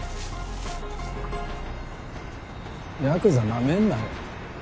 ヤクザなめんなよ。